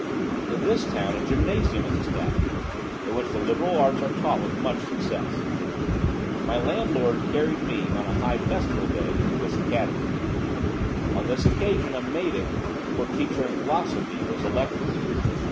In this town a gymnasium is established, in which the liberal arts are taught with much success. My landlord carried me, on a high festival day, to this academy. On this occasion a Madic, or teacher in philosophy, was elected.